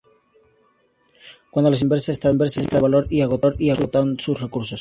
Cuando la situación es a la inversa, está destruyendo valor y agotando sus recursos.